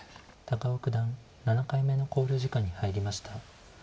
高尾九段７回目の考慮時間に入りました。